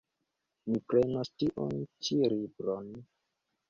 Mi prenos tiun ĉi libron.